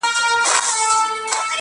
زرافه چي په هر ځای کي وه ولاړه!!